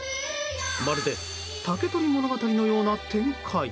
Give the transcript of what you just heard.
まるで「竹取物語」のような展開。